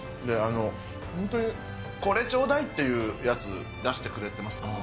本当にこれちょうだいっていうやつ出してくれてますね。